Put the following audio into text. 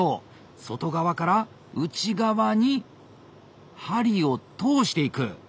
外側から内側に針を通していく。